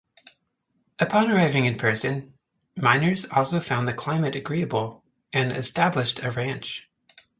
Upon arriving in person, Meiners also found the climate agreeable, and established a ranch.